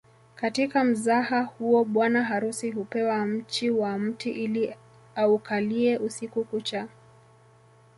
Katika mzaha huo bwana harusi hupewa mchi wa mti ili aukalie usiku kucha